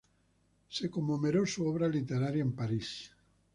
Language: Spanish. Se conmemoró su obra literaria en París.